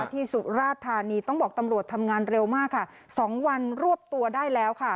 สุราธานีต้องบอกตำรวจทำงานเร็วมากค่ะ๒วันรวบตัวได้แล้วค่ะ